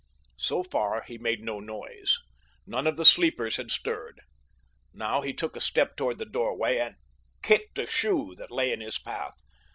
So far he made no noise. None of the sleepers had stirred. Now he took a step toward the doorway and—kicked a shoe that lay in his path.